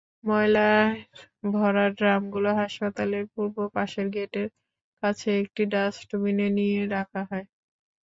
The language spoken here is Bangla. ময়লায় ভরা ড্রামগুলো হাসপাতালের পূর্ব পাশের গেটের কাছে একটি ডাস্টবিনে নিয়ে রাখা হয়।